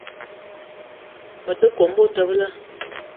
Me te kome betebela.